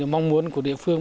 mong muốn của địa phương